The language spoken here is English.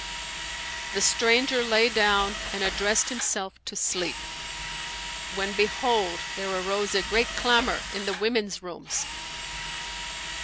The stranger lay down and addressed himself to sleep, when, behold, there arose a great clamour in the women's rooms.